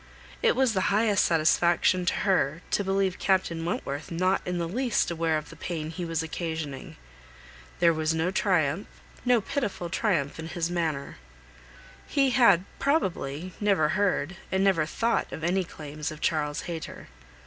It was the highest satisfaction to her to believe Captain Wentworth not in the least aware of the pain he was occasioning. There was no triumph, no pitiful triumph in his manner. He had, probably, never heard, and never thought of any claims of Charles Hayter.